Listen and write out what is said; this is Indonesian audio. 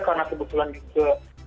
karena sebetulan juga